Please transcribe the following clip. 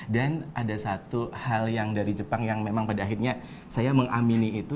dan ada satu hal yang dari jepang yang memang pada akhirnya saya mengamini itu